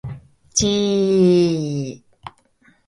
頭はシートを打ち、跳ね返って、再びシートに落ち着く